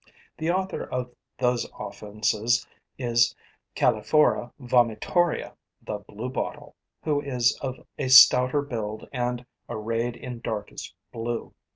The author of those offences is Calliphora vomitoria, the bluebottle, who is of a stouter build and arrayed in darkest blue.